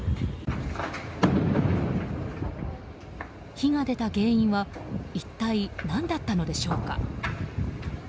火が出た原因は一体、何だったのでしょうか。